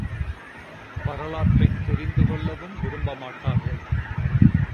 வரலாற்றைத் தெரிந்து கொள்ளவும் விரும்பமாட்டார்கள்.